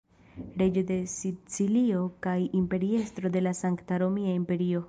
Reĝo de Sicilio kaj imperiestro de la Sankta Romia Imperio.